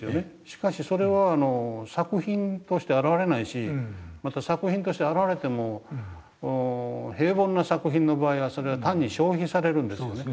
しかしそれは作品として現れないしまた作品として現れても平凡な作品の場合はそれは単に消費されるんですよね。